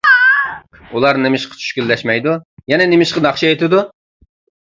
ئۇلار نېمىشقا چۈشكۈنلەشمەيدۇ؟ يەنە نېمىشقا ناخشا ئېيتىدۇ؟